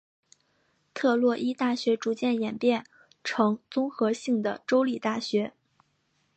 特洛伊大学逐渐演变成综合性的州立大学。